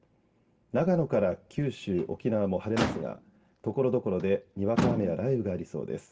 長野から九州、沖縄も晴れますがところどころでにわか雨や雷雨がありそうです。